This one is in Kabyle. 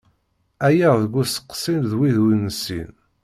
Ɛyiɣ deg uskasi d wid ur nessin.